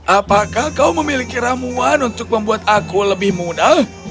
apakah kau memiliki ramuan untuk membuat aku lebih muda